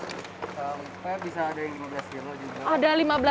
supaya bisa ada yang lima belas kilo juga